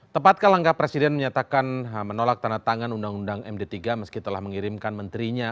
tepatkan langkah presiden menyatakan menolak tanda tangan uumd tiga meski telah mengirimkan menterinya